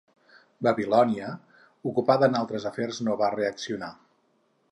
Babilònia, ocupada en altres afers no va reaccionar.